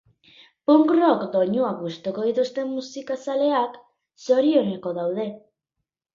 Punk rock doinuak gustuko dituzten musikazaleak zorioneko daude.